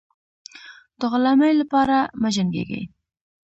د غلامۍ لپاره مه جنګېږی.